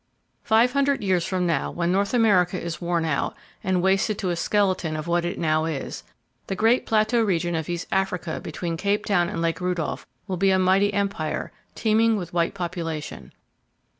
Five hundred years from now, when North America is worn out, and wasted to a skeleton of what it now is, the great plateau region of East Africa [Page 183] between Cape Town and Lake Rudolph will be a mighty empire, teeming with white population.